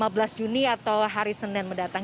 hari ini atau hari senin mendatang